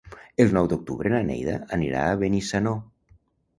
El nou d'octubre na Neida anirà a Benissanó.